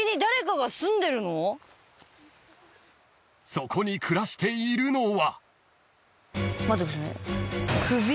［そこに暮らしているのは］